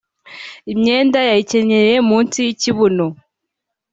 imyenda yayicyenyereye munsi y’ikibuno